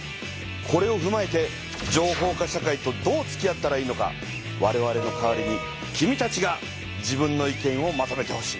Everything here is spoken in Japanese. これをふまえて情報化社会とどうつきあったらいいのかわれわれの代わりに君たちが自分の意見をまとめてほしい。